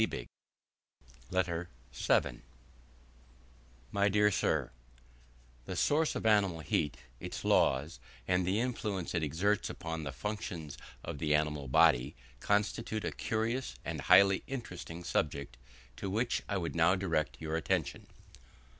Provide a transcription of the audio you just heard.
] LETTER VII My dear Sir, The source of animal heat, its laws, and the influence it exerts upon the functions of the animal body, constitute a curious and highly interesting subject, to which I would now direct your attention.